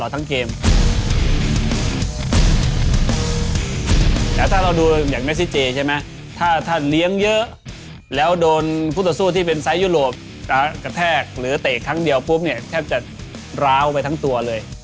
แต่ถ้าเราดูอย่างเมซิเจใช่ไหมถ้าเลี้ยงเยอะแล้วโดนคู่ต่อสู้ที่เป็นไซส์ยุโรปกระแทกหรือเตะครั้งเดียวปุ๊บเนี่ยแทบจะร้าวไปทั้งตัวเลย